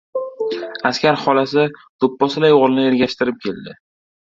Askar xolasi do‘pposday o‘g‘lini ergashtirib keldi.